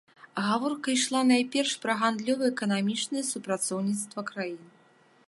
Гаворка ішла найперш пра гандлёва-эканамічнае супрацоўніцтва краін.